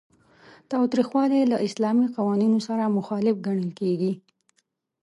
تاوتریخوالی له اسلامي قوانینو سره مخالف ګڼل کیږي.